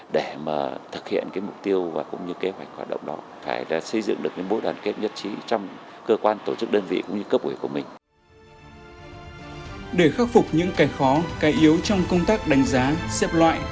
để khắc phục những cái khó cái yếu trong công tác đánh giá xếp loại